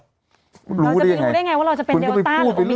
เราจะไปรู้ได้ไงว่าเราจะเป็นเดลต้าหรือมี